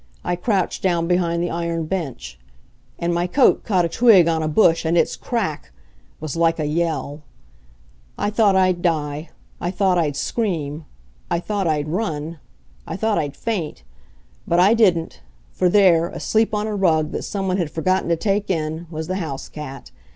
I crouched down behind the iron bench. And my coat caught a twig on a bush and its crack ck was like a yell. I thought I'd die. I thought I'd scream. I thought I'd run. I thought I'd faint. But I didn't for there, asleep on a rug that some one had forgotten to take in, was the house cat.